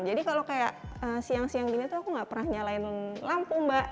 jadi kalau siang siang begini saya tidak pernah menyalakan lampu